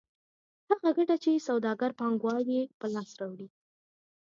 هغه ګټه چې سوداګر پانګوال یې په لاس راوړي